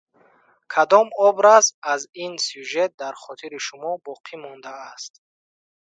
Кадом образ аз ин сюжет дар хотири шумо боқӣ мондааст?